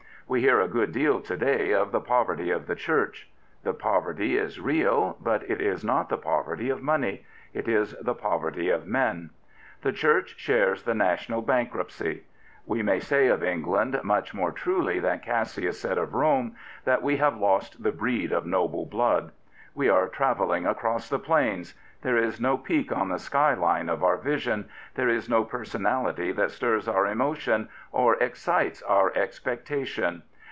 We hear a good deal to day of the poverty of the Church. The poverty is real; but it is not the poverty of money: it is the poverty of men. The Church shares the national bankruptcy. We may say of England, much more truly than Cassius said of Rome, that we have " lost the breed of noble blood." We are travelling across the plains. There is no peak on the sky line of our vision. There is no personality that stirs our emotion, or excites our expectation.